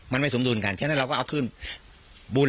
มันไม่สมดุลกันฉะนั้นเราก็เอาขึ้นบุญ